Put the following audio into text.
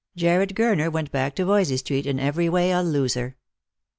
Jarred Gurner went back to Voysey street in every way a loser.